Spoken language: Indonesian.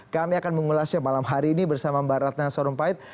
kami akan mengulasnya malam hari ini bersama mbak ratna sarumpait